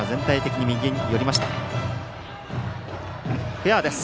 フェアです。